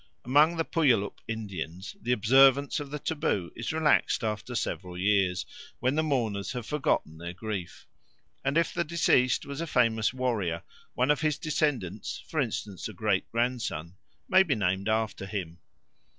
Among the Puyallup Indians the observance of the taboo is relaxed after several years, when the mourners have forgotten their grief; and if the deceased was a famous warrior, one of his descendants, for instance a great grandson, may be named after him.